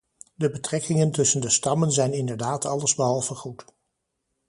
De betrekkingen tussen de stammen zijn inderdaad allesbehalve goed.